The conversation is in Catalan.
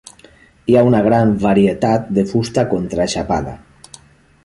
Hi ha una gran varietat de fusta contraxapada.